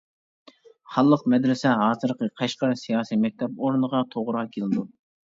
«خانلىق مەدرىسە» ھازىرقى قەشقەر سىياسىي مەكتەپ ئورنىغا توغرا كېلىدۇ.